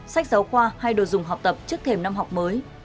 sách giáo khoa hay đồ dùng học tập trước thềm năm học mới